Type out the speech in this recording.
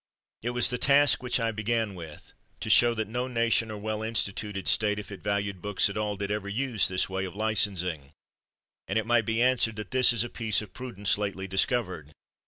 It was the task which I began with, to show that no nation, or well instituted state, if it valued books at all, did ever use this way of licensing; and it might be answered, that this is a piece of prudence lately discovered.